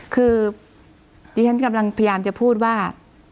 คือดิฉันกำลังพยายามจะพูดว่า